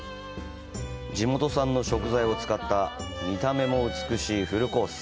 地元産の食材を使った見た目も美しいフルコース。